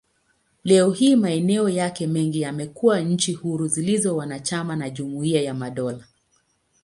Leo hii, maeneo yake mengi yamekuwa nchi huru zilizo wanachama wa Jumuiya ya Madola.